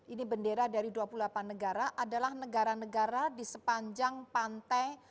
ini bendera dari dua puluh delapan negara adalah negara negara di sepanjang pantai